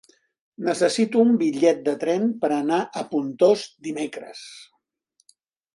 Necessito un bitllet de tren per anar a Pontós dimecres.